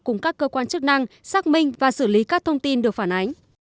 cùng các cơ quan chức năng xác minh và xử lý các thông tin được phản ánh